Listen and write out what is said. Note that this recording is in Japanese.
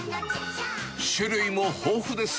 種類も豊富です。